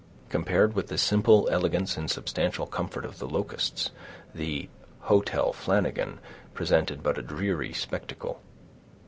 Compared with the simple elegance and substantial comfort of the Locusts, the "Hotel Flanagan" presented but a dreary spectacle.